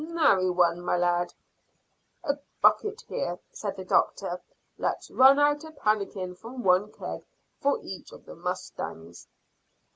"Nary one, my lad." "A bucket here," said the doctor. "Let's run out a pannikin from one keg for each of the mustangs."